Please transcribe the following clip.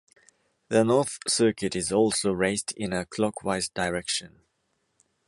The north circuit is also raced in a clockwise direction.